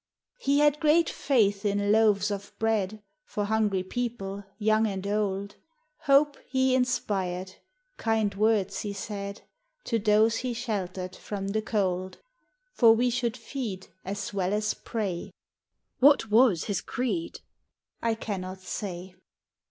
He had great faith in loaves of bread For hungry people, young and old, Hope he inspired; kind words he said To those he sheltered from the cold. For we should feed As well as pray. "What was his creed?" I cannot say.